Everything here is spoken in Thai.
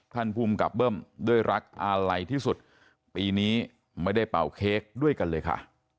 ภูมิกับเบิ้มด้วยรักอาลัยที่สุดปีนี้ไม่ได้เป่าเค้กด้วยกันเลยค่ะ